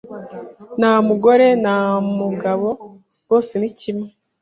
nta mugore nta mugabo bose nikimwe